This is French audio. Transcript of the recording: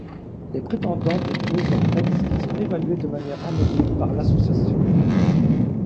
Les prétendants déposent leurs textes qui sont évalués de manière anonyme par l'association.